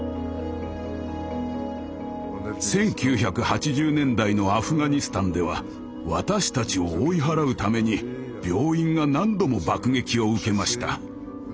１９８０年代のアフガニスタンでは私たちを追い払うために病院が何度も爆撃を受けました。